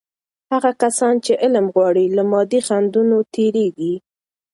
هغه کسان چې علم غواړي، له مادي خنډونو تیریږي.